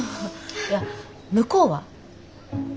いや向こうは？え？